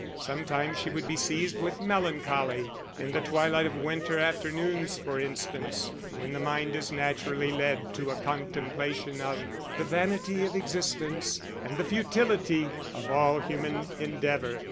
Sometimes she would be seized with melancholy, in the twilight of winter afternoons, for instance, when the mind is naturally led to a contemplation of the vanity of existence and the futility of all human endeavour.